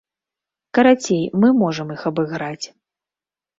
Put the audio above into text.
Карацей, мы можам іх абыграць.